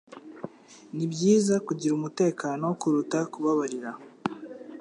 Nibyiza kugira umutekano kuruta kubabarira